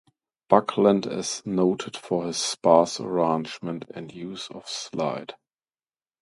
Buckland is noted for his sparse arrangements and use of slide.